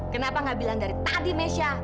kenapa nggak bilang dari tadi mesya